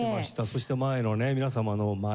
そして前のね皆様の舞。